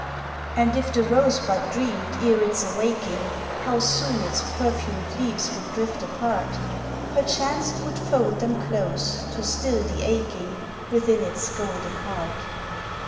And if the rosebud dreamed e'er its awaking How soon its perfumed leaves would drift apart, Perchance 'twould fold them close to still the aching Within its golden heart.